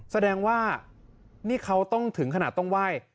แสดงว่านี่เขาต้องถึงขนาดต้องไหว้